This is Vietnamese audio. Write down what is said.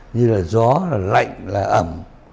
như là gió là lạnh là ẩm